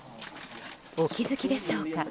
お気づきでしょうか。